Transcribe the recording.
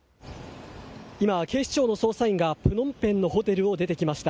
今、警視庁の捜査員がプノンペンのホテルを出てきました。